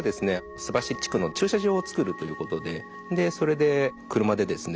須走地区の駐車場を造るということでそれで車でですね